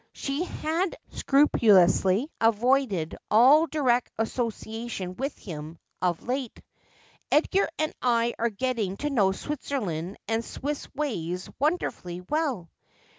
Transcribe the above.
She had scrupulously avoided all direct association with him of late. ' Edgar and I are getting to know Switzerland and Swiss ways wonderfully well.'